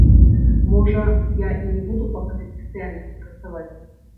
Можа, я і не буду па гэтай спецыяльнасці працаваць.